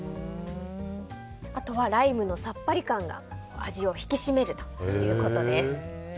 あとはライムのさっぱり感が味を引き締めるということです。